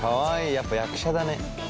やっぱ役者だね。